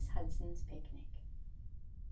HUDSON'S PICNIC MRS.